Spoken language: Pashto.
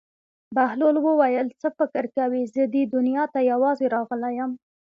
بهلول وویل: څه فکر کوې زه دې دنیا ته یوازې راغلی یم.